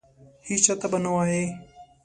هیچا ته به نه وایې !